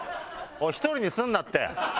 おい１人にすんなって！